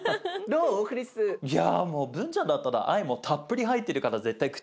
いやもうブンちゃんだったら愛もたっぷり入ってるから絶対口に合うよ。